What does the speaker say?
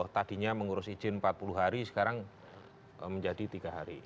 tadinya mengurus izin empat puluh hari sekarang menjadi tiga hari